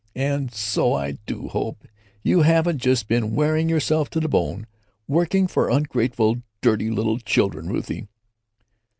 And so I do hope you haven't just been wearing yourself to a bone working for ungrateful dirty little children, Ruthie."